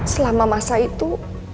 selama masa itu